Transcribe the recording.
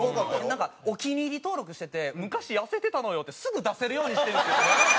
なんかお気に入り登録してて「昔痩せてたのよ」ってすぐ出せるようにしてるんですよ。